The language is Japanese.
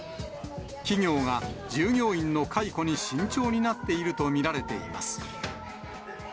企業が従業員の解雇に慎重になっていると見られています。